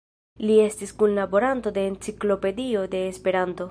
Li estis kunlaboranto de "Enciklopedio de Esperanto".